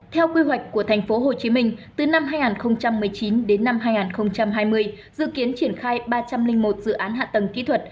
theo quy hoạch của thành phố hồ chí minh từ năm hai nghìn một mươi chín đến năm hai nghìn hai mươi dự kiến triển khai ba trăm linh một dự án hạ tầng kỹ thuật